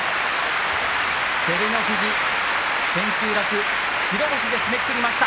照ノ富士、千秋楽白星で締めくくりました。